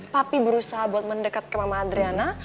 papi berusaha untuk mendekat ke mama adriana